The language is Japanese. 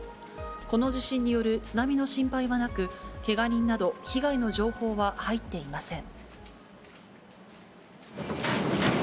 この地震による津波の心配はなく、けが人など、被害の情報は入っていません。